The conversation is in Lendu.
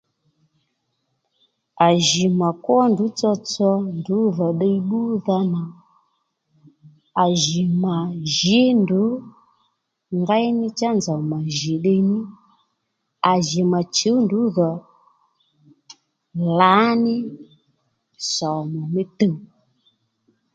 À jì mà kwó ndrǔ tsotso ndrǔ dhò ddiy bbúdha nà à jì mà jǐ ndrǔ ngéy ní cha nzòw mà jì ní à jì mà chǔw ndrǔ dhò lǎní sòmù mí tuw